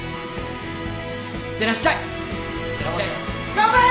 頑張れ！